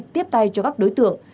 tiếp tay cho các đối tượng